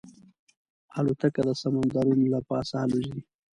الوتکه د سمندرونو له پاسه الوزي.